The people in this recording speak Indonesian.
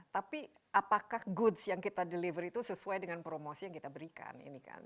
tapi apakah goods yang kita deliver itu sesuai dengan promosi yang kita berikan ini kan